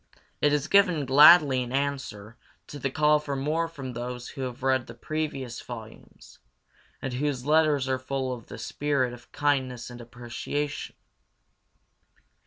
It is given gladly in answer to the call for more from those who have read the previous volumes, and whose letters are full of the spirit of kindness and appreciation.